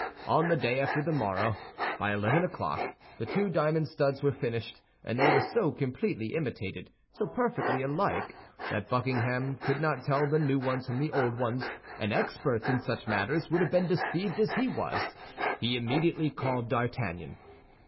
On the day after the morrow, by eleven o'clock, the two diamond studs were finished, and they were so completely imitated, so perfectly alike, that Buckingham could not tell the new ones from the old ones, and experts in such matters would have been deceived as he was. He immediately called D'Artagnan.